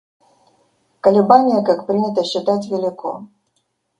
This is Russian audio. Колебание, как принято считать, велико.